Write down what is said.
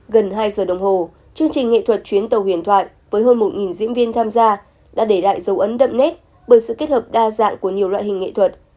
gần hai giờ đồng hồ chương trình nghệ thuật chuyến tàu huyền thoại với hơn một diễn viên tham gia đã để lại dấu ấn đậm nét bởi sự kết hợp đa dạng của nhiều loại hình nghệ thuật